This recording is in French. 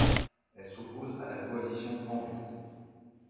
Elle s'oppose à la coalition pan-verte.